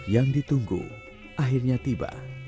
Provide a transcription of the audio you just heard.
yang ditunggu akhirnya tiba